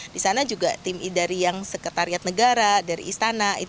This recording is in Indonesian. di sana juga tim dari yang sekretariat negara dari istana